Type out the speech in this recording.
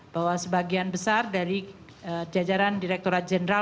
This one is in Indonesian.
bahwa sebagian besar dari jajaran direkturat jenderal